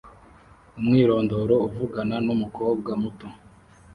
Umwirondoro uvugana numukobwa muto